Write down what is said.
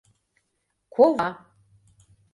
КОВА